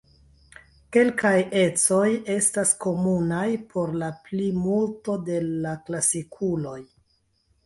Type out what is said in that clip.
Kelkaj ecoj estas komunaj por la plimulto de la klasikuloj.